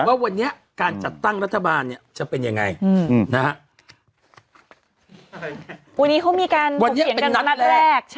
ว่าวันนี้การจัดตั้งรัฐบาลเนี่ยจะเป็นยังไงนะฮะวันนี้เขามีการวันนี้เป็นนัดแรก